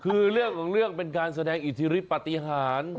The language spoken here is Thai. คือเรื่องของเรื่องเป็นการแสดงอิทธิฤทธปฏิหาร